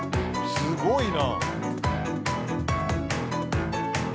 すごいな。